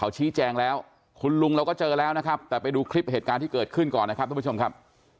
ชี้แจงแล้วคุณลุงเราก็เจอแล้วนะครับแต่ไปดูคลิปเหตุการณ์ที่เกิดขึ้นก่อนนะครับทุกผู้ชมครับ